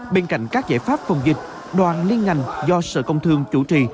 bên cạnh các giải pháp phòng dịch đoàn liên ngành do sở công thương chủ trì